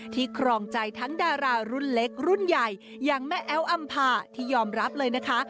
ครองใจทั้งดารารุ่นเล็กรุ่นใหญ่อย่างแม่แอ้วอำภาที่ยอมรับเลยนะคะ